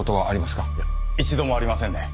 一度もありませんね。